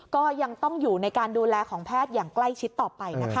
ก็ยังต้องอยู่ในการดูแลของแพทย์อย่างใกล้ชิดต่อไปนะคะ